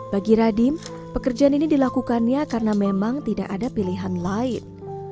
bagi radim pekerjaan ini dilakukannya karena memang tidak ada pilihan lain